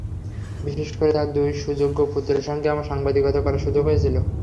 বিশেষ করে তাঁর দুই সুযোগ্য পুত্রের সঙ্গে আমার সাংবাদিকতা করার সুযোগ হয়েছিল।